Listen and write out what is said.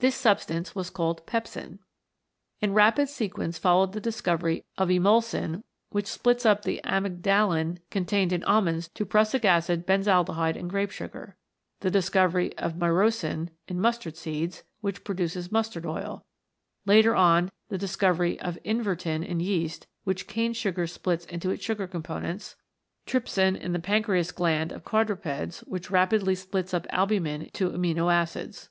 This substance was called Pepsin. In rapid sequence followed the discovery of Emulsin, which splits up the amygdalin contained in almonds to prussic acid, benzaldehyde and grape sugar ; the discovery of Myrosin in mustard seeds, which produces mustard oil ; later on the discovery of Invertin in yeast, which cane sugar splits into its sugar components ; Trypsin in the pancreas gland of quadrupeds, which rapidly splits up albumin to amino acids.